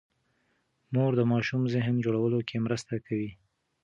مور د ماشوم ذهن جوړولو کې مرسته کوي.